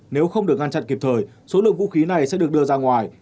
nếu không được ngăn chặn kịp thời số lượng vũ khí này sẽ được đưa ra ngoài